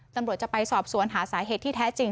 จะไปสอบสวนหาสาเหตุที่แท้จริง